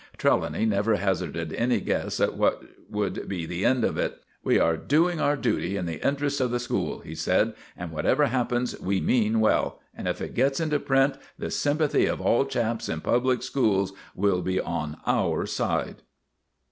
Trelawny never hazarded any guess at what would be the end of it. "We are doing our duty in the interests of the school," he said, "and whatever happens we mean well; and if it gets into print the sympathy of all chaps in public schools will be on our side."